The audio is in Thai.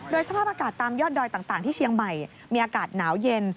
สภาพอากาศตามยอดดอยต่างที่เชียงใหม่มีอากาศหนาวเย็น